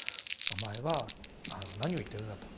お前は何を言ってるんだと。